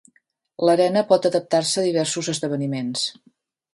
L'arena pot adaptar-se a diversos esdeveniments.